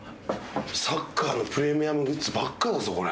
サッカーのプレミアムグッズばっかだぞこれ。